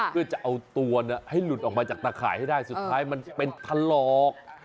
เพื่อจะเอาตัวให้หลุดออกมาจากตะข่ายให้ได้สุดท้ายมันเป็นถลอก